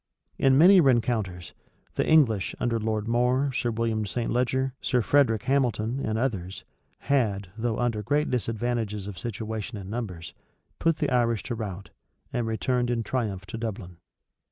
In many rencounters, the English, under Lord More, Sir William St. Leger, Sir Frederic Hamilton, and others, had, though under great disadvantages of situation and numbers, put the Irish to rout, and returned in triumph to Dublin.